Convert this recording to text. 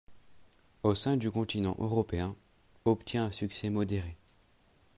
Au sein du continent européen, obtient un succès modéré.